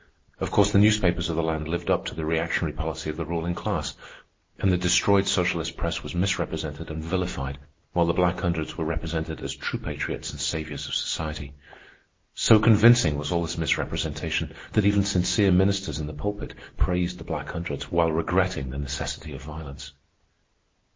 Of course, the newspapers of the land lived up to the reactionary policy of the ruling class, and the destroyed socialist press was misrepresented and vilified, while the Black Hundreds were represented as true patriots and saviours of society. So convincing was all this misrepresentation that even sincere ministers in the pulpit praised the Black Hundreds while regretting the necessity of violence.